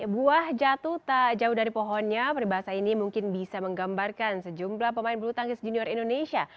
buah jatuh tak jauh dari pohonnya peribahasa ini mungkin bisa menggambarkan sejumlah pemain bulu tangkis junior indonesia